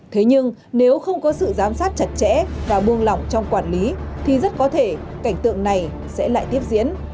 thế nhưng nếu không có sự giám sát chặt chẽ và buông lỏng trong quản lý thì rất có thể cảnh tượng này sẽ lại tiếp diễn